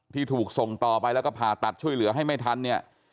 ที่ถูกส่งต่อไปแล้วก็ผ่าตัดช่วยเหลือให้ไม่ทันเนี่ย